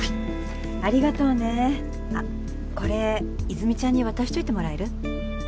ありがとうねこれ泉ちゃんに渡しといてもらえる？